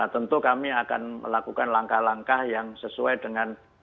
tentu kami akan melakukan langkah langkah yang sesuai dengan